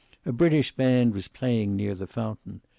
A British band was playing near the fountain.